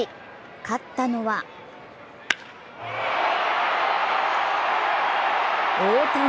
勝ったのは大谷。